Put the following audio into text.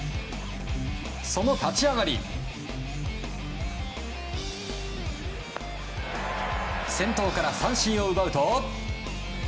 その立ち上がり先頭から三振を奪うと。